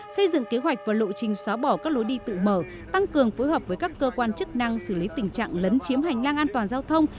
xây dựng kế hoạch và lộ trình xóa bỏ các lối đi tự mở tăng cường phối hợp với các cơ quan chức năng xử lý tình trạng lấn chiếm hành lang an toàn giao thông